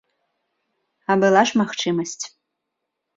А была ж магчымасць.